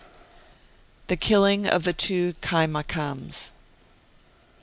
THE KILLING OF THE Two KAIMAKAMS.